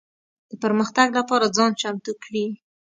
د پرمختګ لپاره ځان چمتو کړي.